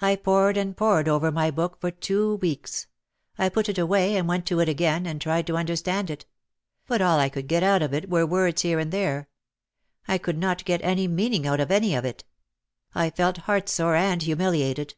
I pored and pored over my book for two weeks. I put it away and went to it again and tried to understand it. But all I could get out of it were words here and there. I could not get any meaning out of any of it. I felt heart sore and humiliated.